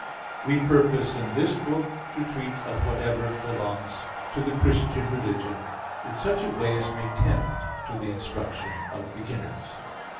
1, 2) we purpose in this book to treat of whatever belongs to the Christian Religion, in such a way as may tend to the instruction of beginners.